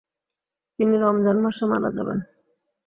তিনি রমজান মাসে মারা যাবেন।